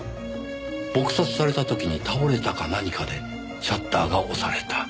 撲殺された時に倒れたか何かでシャッターが押された。